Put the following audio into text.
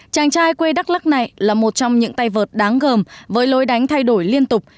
chàng trai quê đắk lắc này là một trong những tay vợt đáng gồm với lối đánh thay đổi liên tục